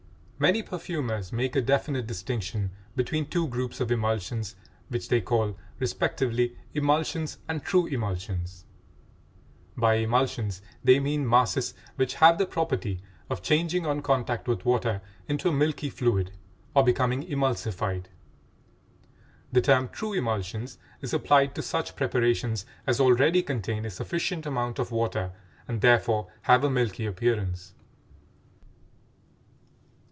Many perfumers make a definite distinction between two groups of emulsions which they call respectively "emulsions" and "true emulsions." By "emulsions" they mean masses which have the property of changing on contact with water into a milky fluid or becoming emulsified; the term "true emulsions" is applied to such preparations as already contain a sufficient amount of water and therefore have a milky appearance.